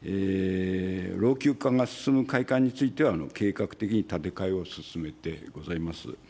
老朽化が進む会館については、計画的に建て替えを進めてございます。